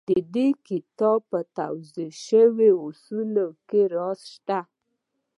د دې کتاب په توضيح شويو اصولو کې راز شته.